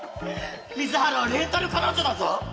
水原はレンタル彼女だぞ！